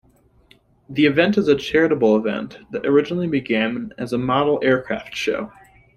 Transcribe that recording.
The event is a charitable event, that originally began as a model aircraft show.